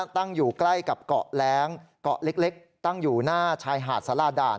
ตั้งอยู่ใกล้กับเกาะแร้งเกาะเล็กตั้งอยู่หน้าชายหาดสาราด่าน